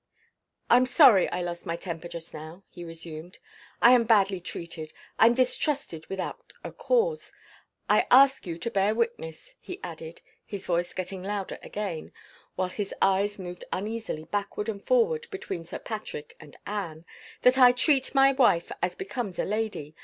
"I'm sorry I lost my temper just now," he resumed "I am badly treated I'm distrusted without a cause. I ask you to bear witness," he added, his voice getting louder again, while his eyes moved uneasily backward and forward between Sir Patrick and Anne, "that I treat my wife as becomes a lady.